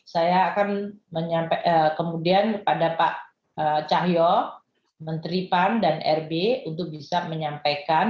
saya akan menyampaikan kemudian kepada pak cahyo menteri pan dan rb untuk bisa menyampaikan